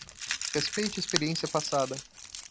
Respeite a experiência passada